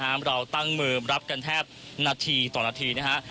เพราะว่าเราตั้งมือรับกันแทบนาทีต่อนาทีนะครับ